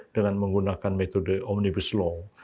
dengan menggunakan metode omnibus law